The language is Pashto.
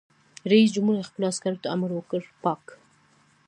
رئیس جمهور خپلو عسکرو ته امر وکړ؛ پاک!